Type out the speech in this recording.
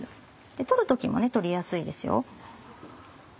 取る時も取りやすいですよ。